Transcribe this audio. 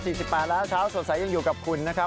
สิบแปดแล้วเช้าสดใสยังอยู่กับคุณนะครับ